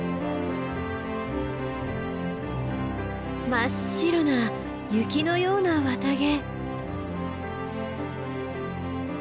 真っ白な雪のような綿毛。